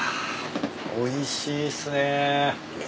おいしいっすね。